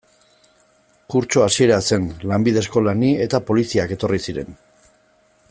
Kurtso hasiera zen, lanbide eskolan ni, eta poliziak etorri ziren.